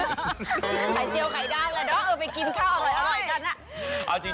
ไข่เจียวไข่ดางและด้วยเอาไปกินข้าวอร่อยกัน